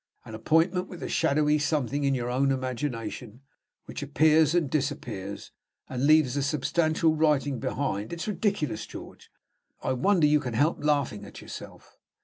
An appointment with a shadowy Something in your own imagination, which appears and disappears, and leaves substantial writing behind it! It's ridiculous, George; I wonder you can help laughing at yourself."